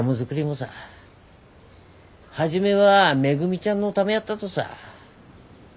もさ初めはめぐみちゃんのためやったとさ。